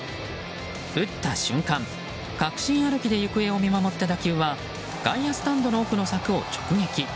打った瞬間、確信歩きで行方を見守った打球は外野スタンドの奥の柵を直撃。